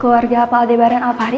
keluarga pak aldebaran alpari